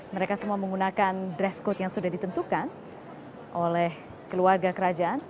mereka semua menggunakan dress code yang sudah ditentukan oleh keluarga kerajaan